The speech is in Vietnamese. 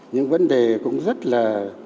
những vấn đề cũng rất là